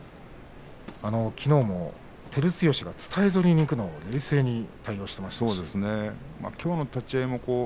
きのうも照強が伝え反りにいくのを冷静に対応していました。